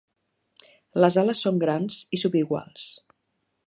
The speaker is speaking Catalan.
Les ales són grans i subiguals.